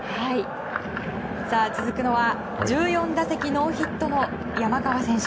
続くのは１４打席ノーヒットの山川選手。